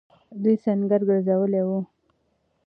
دوی سنګر گرځولی وو.